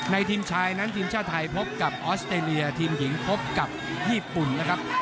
ทีมชายนั้นทีมชาติไทยพบกับออสเตรเลียทีมหญิงพบกับญี่ปุ่นนะครับ